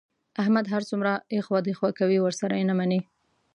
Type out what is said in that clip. احمد هر څومره ایخوا دیخوا کوي، ورسره یې نه مني.